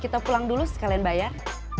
kita pulang dulu sekalian bayar